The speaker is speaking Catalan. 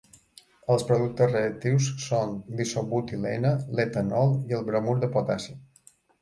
Els productes reactius són l'isobutilene, l'etanol i el bromur de potassi.